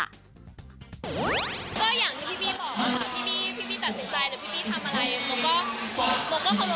ก็เป็นไปตามที่พี่บี้บอก